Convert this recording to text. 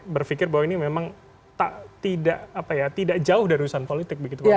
berpikir bahwa ini memang tidak jauh dari usaha politik begitu pak ujang